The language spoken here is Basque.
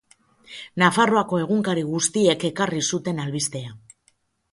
Nafarroako egunkari guztiek ekarri zuten albistea.